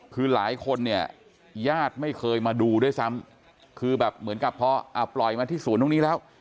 คือหลายคนเนี่ยญาติไม่เคยมาดูด้วยซ้ำคือแบบเหมือนกับพอปล่อยมาที่สวนตรงนี้แล้ว